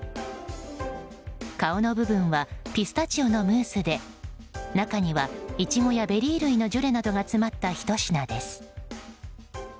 顔の部分はピスタチオのムースで中にはイチゴやベリー類のジュレなどが詰まったひと品です。